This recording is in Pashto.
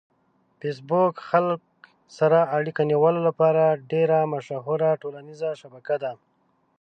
فېسبوک خلک سره اړیکه نیولو لپاره ډېره مشهوره ټولنیزه شبکه ده.